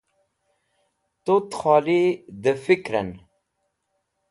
Tut kholi dẽfikrẽn.